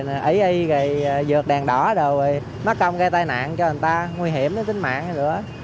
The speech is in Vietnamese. ủy y dược đèn đỏ mất công gây tai nạn cho người ta nguy hiểm đến tính mạng